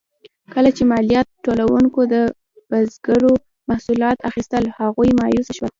کله چې مالیات ټولونکو د بزګرو محصولات اخیستل، هغوی مایوسه شول.